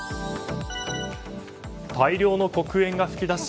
大量の黒煙が噴き出し